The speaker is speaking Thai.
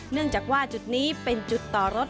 เนื่องจากว่าจุดนี้เป็นจุดต่อรถ